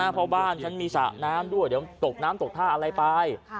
เพราะบ้านฉันมีสระน้ำด้วยเดี๋ยวตกน้ำตกท่าอะไรไป